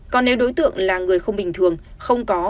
còn nếu đối tượng là người không bình thường không có